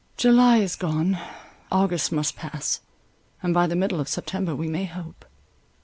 July is gone. August must pass, and by the middle of September we may hope.